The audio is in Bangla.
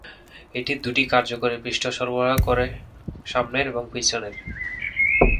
এটি দুটি কার্যকরী পৃষ্ঠ সরবরাহ করে, সামনের এবং পিছনের।